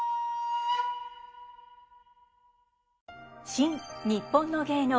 「新・にっぽんの芸能」